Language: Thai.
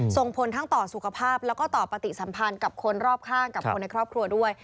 ส่งผลทั้งต่อสุขภาพแล้วก็ต่อปฏิสัมพันธ์กับคนรอบข้างกับคนในครอบครัวด้วย